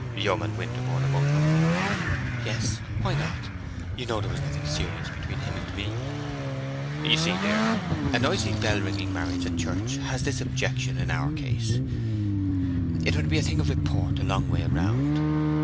"Yeoman Winterborne among them." "Yes—why not? You know there was nothing serious between him and me." "You see, dear, a noisy bell ringing marriage at church has this objection in our case: it would be a thing of report a long way round.